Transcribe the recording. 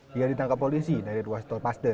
dia ditangkap polisi dari ruas tol paster